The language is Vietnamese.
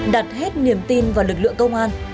đặt hết niềm tin vào lực lượng công an